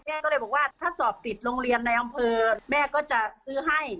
ก็เลยบอกว่าถ้าสอบติดโรงเรียนในอำเภอแม่ก็จะซื้อให้